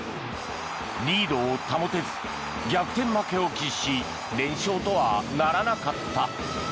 リードを保てず、逆転負けを喫し連勝とはならなかった。